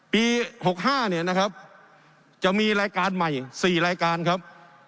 ปี๖๕เนี่ยนะครับจะมีรายการใหม่๔รายการครับ